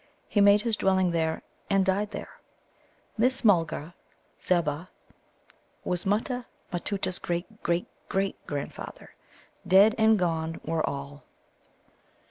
He made his dwelling there, and died there. This Mulgar, Zebbah, was Mutta matutta's great great great grandfather. Dead and gone were all.